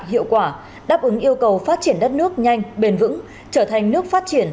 hiệu quả đáp ứng yêu cầu phát triển đất nước nhanh bền vững trở thành nước phát triển